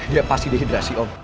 dia pasti dehidrasi om